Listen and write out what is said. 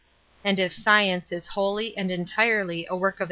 And if Bcieuce is wholly and entirely a work of